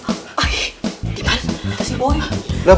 suaranya spokesperson sama dengan pergi